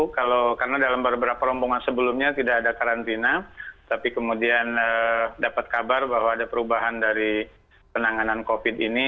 karena dalam beberapa rombongan sebelumnya tidak ada karantina tapi kemudian dapat kabar bahwa ada perubahan dari penanganan covid sembilan belas ini